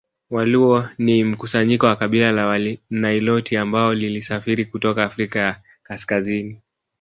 Waluo ni mkusanyiko wa kabila la Waniloti ambalo lilisafiri kutoka Afrika ya Kaskazini